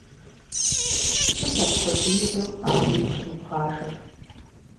Сыт апхуэдизу ар уигу щӀрибгъажэр?